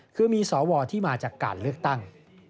คือมีสวที่มาจากการเลือกตั้ง